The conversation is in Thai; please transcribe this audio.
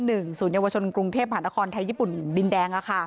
เยาวชนกรุงเทพฯผ่านนครไทยญี่ปุ่นดินแดง